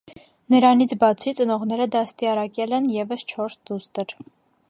Նրանից բացի ծնողները դաստիարակել են ևս չորս դուստր։